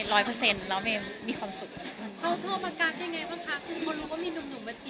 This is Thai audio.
แล้วเมมมีความสุข